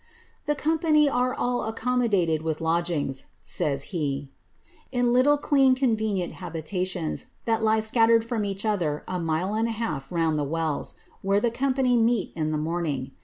^ The company are all accommodated with lodgings," says be, ^ in iittle clean convenient habitations, that lie scattered from each other a mile and a half round the wells, where the company meet in the Doming.